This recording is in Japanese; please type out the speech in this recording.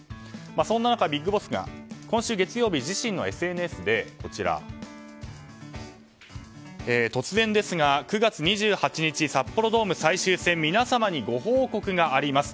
そんな中、ＢＩＧＢＯＳＳが今週月曜日、自身のＳＮＳで突然ですが、９月２８日札幌ドーム最終戦皆様にご報告があります。